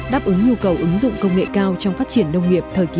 đáp ứng nhu cầu ứng dụng công nghệ cao trong phát triển nông nghiệp thời kỳ